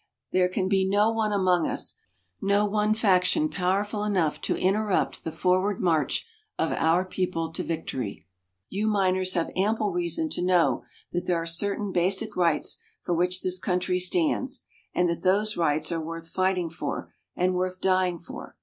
There can be no one among us no one faction powerful enough to interrupt the forward march of our people to victory. You miners have ample reason to know that there are certain basic rights for which this country stands, and that those rights are worth fighting for and worth dying for.